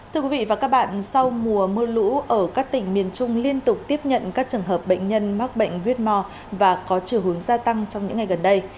thưa quý vị và các bạn sau mùa mưa lũ ở các tỉnh miền trung liên tục tiếp nhận các trường hợp bệnh nhân mắc bệnh whmore và có chiều hướng gia tăng trong những ngày gần đây